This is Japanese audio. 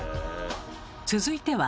続いては。